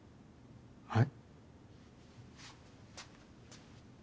はい？